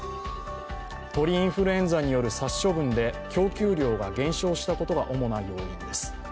鳥インフルエンザによる殺処分で供給量が減少したことが主な要因です。